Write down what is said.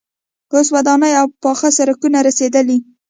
اوس ودانۍ او پاخه سړکونه رسیدلي.